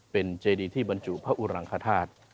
เป็นเจดีที่บรรจุพระอุรังคธาตุ